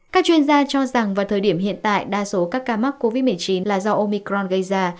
các chuyên gia cho rằng vào thời điểm hiện tại đa số các ca mắc covid một mươi chín là do omicron gây ra